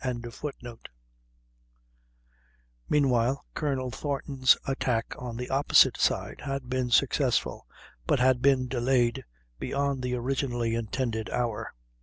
] Meanwhile Colonel Thornton's attack on the opposite side had been successful, but had been delayed beyond the originally intended hour.